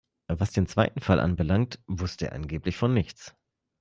Was den zweiten Fall anbelangt, wusste er angeblich von nichts.